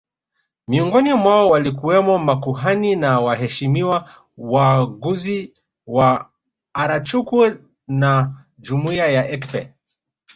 Miongoni mwao walikuwemo makuhani na waheshimiwa waaguzi wa Arochukwu na jumuiya ya Ekpe